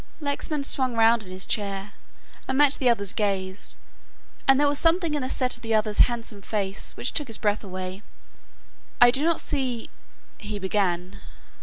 Lexman swung round in his chair, and met the other's gaze, and there was something in the set of the other's handsome face which took his breath away. "I do not see " he began.